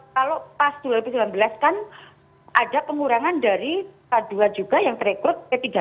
kalau pas dua ribu sembilan belas kan ada pengurangan dari k dua juga yang terekrut p tiga